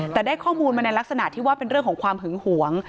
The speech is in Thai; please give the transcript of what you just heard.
แต่ได้ข้อมูลมาในลักษณะที่ว่าเป็นเรื่องของความหึงหวง